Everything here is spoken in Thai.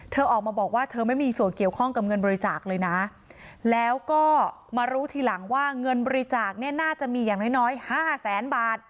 ออกมาบอกว่าเธอไม่มีส่วนเกี่ยวข้องกับเงินบริจาคเลยนะแล้วก็มารู้ทีหลังว่าเงินบริจาคเนี่ยน่าจะมีอย่างน้อยน้อยห้าแสนบาท